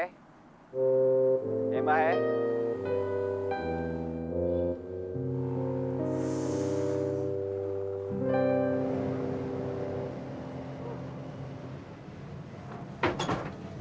ya mbah ya